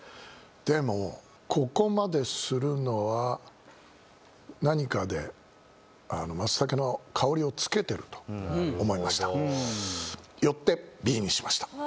でもここまでするのは何かで松茸の香りをつけてると思いましたよってＢにしました